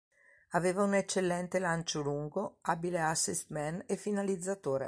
Aveva un eccellente lancio lungo, abile assist-man e finalizzatore.